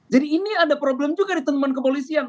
jadi ini ada problem juga di teman teman kepolisian